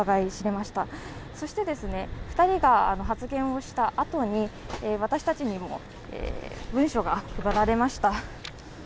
そして、２人が発言をしたあとに私たちにも文書が配られました。